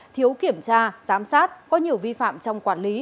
thiếu kiểm tra giám sát có nhiều vi phạm trong quản lý